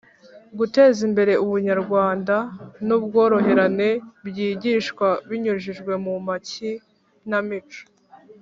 Guteza imbere Ubunyarwanda n’ubworoherane byigishwa binyujijwe mu makinamic